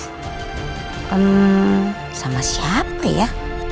hmm sama siapa ya